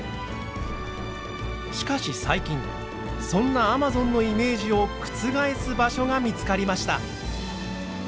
しかし最近そんなアマゾンのイメージを覆す場所が見つかりました。